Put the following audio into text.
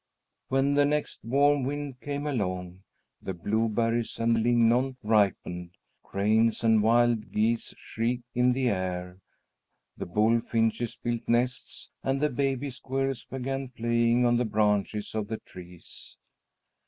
When the next warm wind came along, the blueberries and lignon ripened. Cranes and wild geese shrieked in the air, the bullfinches built nests, and the baby squirrels began playing on the branches of the trees.